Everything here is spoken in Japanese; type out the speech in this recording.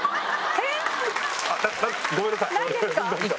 えっ？ごめんなさい。